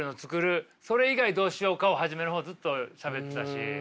「それ以外どうしようか？」を始めの方ずっとしゃべってたし。